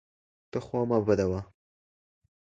ته خوا مه بدوه!